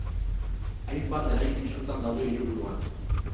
Hainbat eraikin sutan daude hiriburuan.